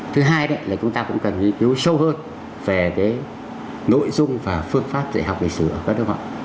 thứ hai là chúng ta cũng cần nghiên cứu sâu hơn về cái nội dung và phương pháp dạy học lịch sử ở các nước họ